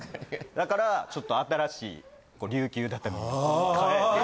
だからちょっと新しい琉球畳に替えて。